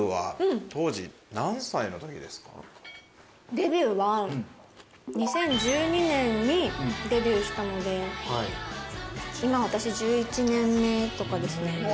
デビューは２０１２年にデビューしたので今私１１年目とかですね。